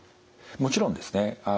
もちろんですね